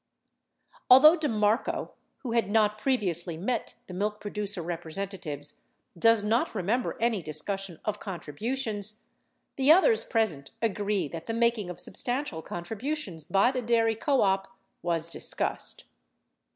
Although DeMarco (who had not previously met the milk producer representatives) does not remember any discussion of contributions, the others present agree that the making of substantial contributions by the dairy co op was discussed.